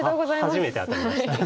初めて当たりました。